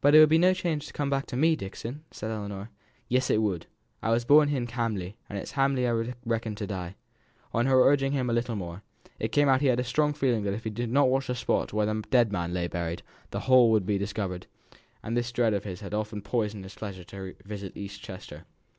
"But it would be no change to come back to me, Dixon," said Ellinor. "Yes, it would. I were born i' Hamley, and it's i' Hamley I reckon to die." On her urging him a little more, it came out that he had a strong feeling that if he did not watch the spot where the dead man lay buried, the whole would be discovered; and that this dread of his had often poisoned the pleasure of his visit to East Chester.